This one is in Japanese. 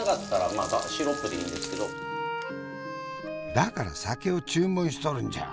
だから酒を注文しとるんじゃ！